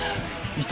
いた？